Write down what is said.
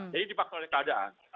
jadi dipaksa oleh keadaan